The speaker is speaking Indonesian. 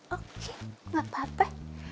oke gak apa apa